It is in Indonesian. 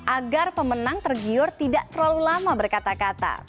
agar pemenang tergiur tidak terlalu lama berkata kata